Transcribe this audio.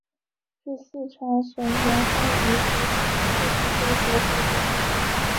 是四川省凉山彝族自治州首府所在地。